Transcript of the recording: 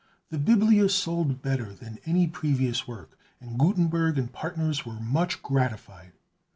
The "Biblia" sold better than any previous work, and Gutenberg and partners were much gratified.